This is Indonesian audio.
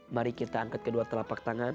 mari kita angkat kedua telapak tangan